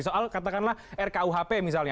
soal katakanlah rkuhp misalnya